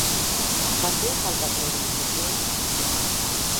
¿Facía falta as mobilizacións?